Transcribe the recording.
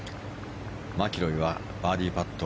マキロイはバーディーパット